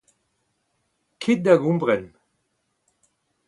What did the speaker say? Kit da gompren !